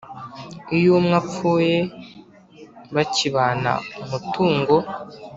Iyo umwe apfuye bakibana umutungo